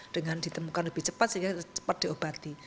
dengan ditemukan lebih cepat sehingga cepat diobati